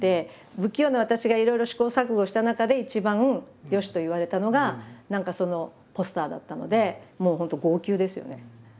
不器用な私がいろいろ試行錯誤した中で一番「良し」と言われたのが何かそのポスターだったのでもう本当号泣ですよね。